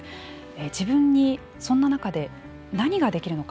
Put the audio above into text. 自分にそんな中で何ができるのか。